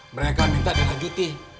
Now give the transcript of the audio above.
mereka minta dana duty